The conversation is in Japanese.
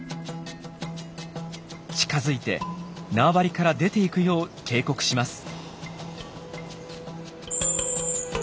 近づいて縄張りから出て行くよう警告します。